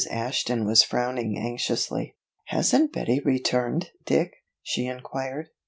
Ashton was frowning anxiously. "Hasn't Betty returned, Dick?" she inquired.